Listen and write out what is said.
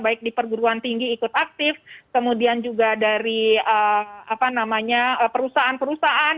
baik di perguruan tinggi ikut aktif kemudian juga dari perusahaan perusahaan